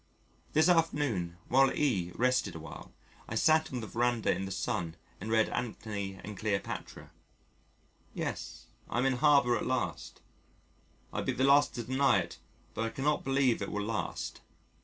This afternoon while E rested awhile I sat on the veranda in the sun and read Antony and Cleopatra.... Yes, I'm in harbour at last. I'd be the last to deny it but I cannot believe it will last.